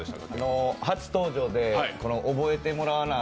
初登場で覚えてもらわなあ